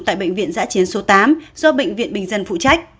tại bệnh viện giã chiến số tám do bệnh viện bình dân phụ trách